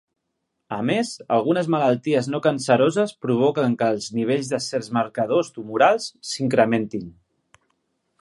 A més algunes malalties no canceroses provoquen que els nivells de certs marcadors tumorals s'incrementin.